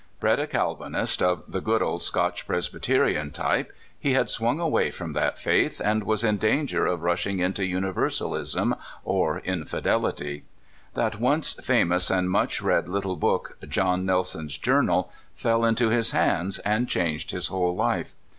Bred a Cahdnist, of the good old Scotch Presbyterian type, he had swung away from that faith, and was in danger of rushing into UniversaHsm or inli dehty. That once famous and much read Httle book, "John Nelson's Journal," fell into his hands, and changed his whole life.